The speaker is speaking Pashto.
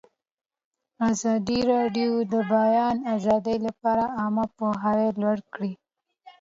ازادي راډیو د د بیان آزادي لپاره عامه پوهاوي لوړ کړی.